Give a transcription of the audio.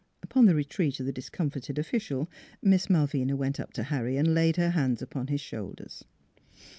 Upon the retreat of the discomfited official Miss Malvina went up to Harry and laid her hands upon his shoulders.